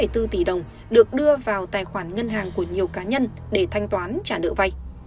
bốn trăm ba mươi sáu bốn tỷ đồng được đưa vào tài khoản ngân hàng của nhiều cá nhân để thanh toán trả nợ vay